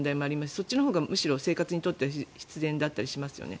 そっちのほうがむしろ生活にとって必然だったりしますよね。